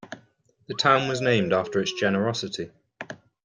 The town was named after its generosity.